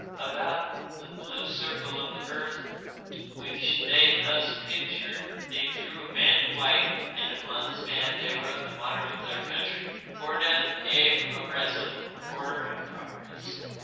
About the blue circle of the earth which they thus pictured they drew a band of white, and upon this band they wrote the motto of their country, "Ordem e Progresso, order and progress."